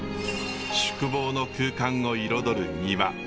宿坊の空間を彩る庭。